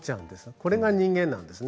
これが人間なんですね。